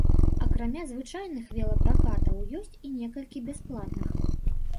Акрамя звычайных велапракатаў, ёсць і некалькі бясплатных.